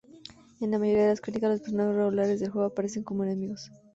En la mayoría de las crónicas los personajes regulares del juego aparecen como enemigos.